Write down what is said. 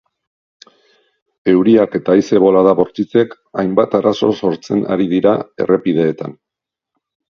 Euriak eta haize bolada bortitzek hainbat arazo sortzen ari dira errepideetan.